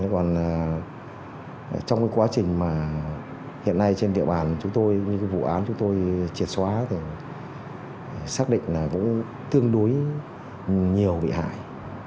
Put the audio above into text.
còn trong cái quá trình mà hiện nay trên địa bàn chúng tôi vụ án chúng tôi triệt xóa thì xác định là cũng tương đối nhiều bị hại